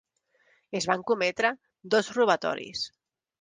Es van cometre dos robatoris.